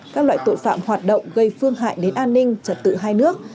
các loại tội phạm hoạt động gây phương hại đến an ninh trật tự hai nước